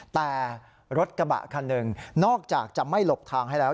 แต่รถกระบะคันหนึ่งนอกจากจะไม่หลบทางให้แล้ว